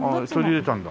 取り入れたんだ。